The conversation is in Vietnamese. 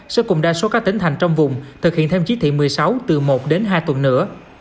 sẽ cùng đa số các tỉnh thành trong vùng thực hiện thêm chí thị một mươi sáu từ một đến hai tuần nữa